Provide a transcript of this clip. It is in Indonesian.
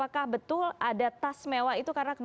kok terlalu banyak pemanfaatan